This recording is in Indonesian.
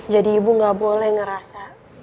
jadi ibu gak boleh ngerasa